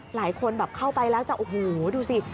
หลายคนแบบเข้าไปแล้วจะโอ้โหดูสิ